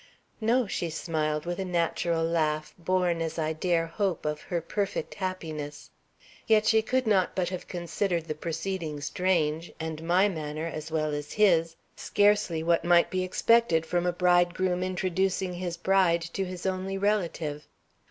"No," she smiled, with a natural laugh, born, as I dare hope, of her perfect happiness. Yet she could not but have considered the proceeding strange, and my manner, as well as his, scarcely what might be expected from a bridegroom introducing his bride to his only relative.